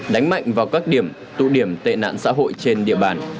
đánh mạnh vào các điểm tụ điểm tệ nạn xã hội trên địa bàn